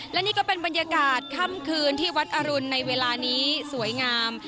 และนี่ก็เป็นบรรยากาศค่ำคืนที่วัดอรุณในเวลานี้สวยงาม